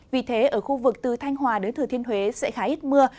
vì thế ở khu vực từ thanh hòa đến thừa thiên huế sẽ khá ít mưa